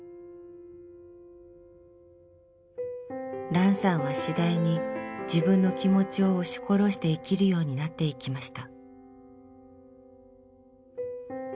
ランさんは次第に自分の気持ちを押し殺して生きるようになっていきました。